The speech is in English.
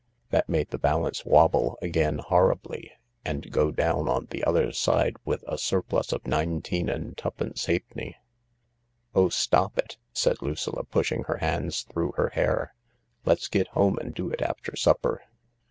That made the balance wobble again horribly, $nd go down on the other side with a surplus of nineteen and twopence halfpenny. " Oh, stop it 1 " said Lucilla, pushing her hands through her hair. " Let's get Jiome, and do it after supper.